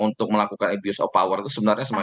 untuk melakukan abuse of power itu sebenarnya